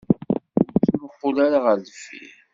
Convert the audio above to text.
Ur ttmuqqul ara ɣer deffir.